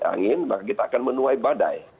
angin maka kita akan menuai badai